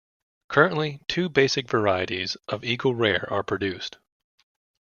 Currently, two basic varieties of Eagle Rare are produced.